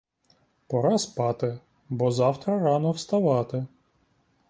Пора спати, бо завтра рано вставати.